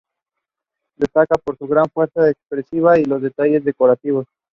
Destaca por su gran fuerza expresiva y los detalles decorativos.